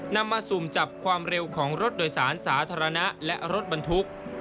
นำมาสุ่มจับความเร็วของรถโดยสารสาธารณะและรถบรรทุก